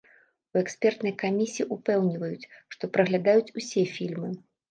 У экспертнай камісіі ўпэўніваюць, што праглядаюць усе фільмы.